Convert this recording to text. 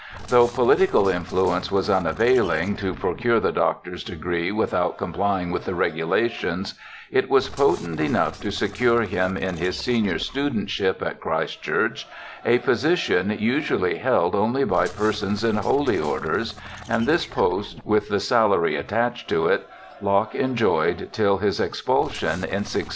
Though political influence was unavailing to procure the doctor's degree without complying with the regulations, it was potent enough to secure him in his senior studentship at Christ Church, a position usually held only by persons in holy orders, and this post, with the salary attached to it, Locke enjoyed till his expulsion in 1684.